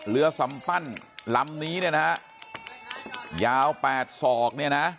เรือสำปั้นลำนี้นะยาว๘ศอก